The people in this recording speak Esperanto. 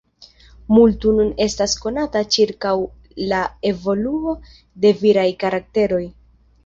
Multo nun estas konata ĉirkaŭ la evoluo de viraj karakteroj.